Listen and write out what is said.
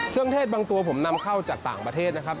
เทศบางตัวผมนำเข้าจากต่างประเทศนะครับ